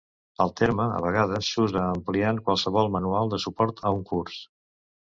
El terme a vegades s'usa ampliat a qualsevol manual de suport a un curs.